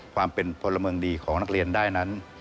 ความเป็นพลเมืองดีของนักเรียนได้นั้น